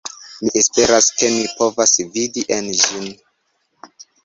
Mi esperas, ke mi povas vidi en ĝin